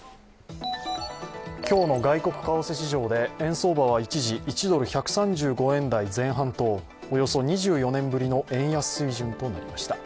今日の外国為替市場で円相場は一時、１ドル＝１３５円台前半とおよそ２４年ぶりの円安水準となりました。